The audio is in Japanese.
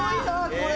これ。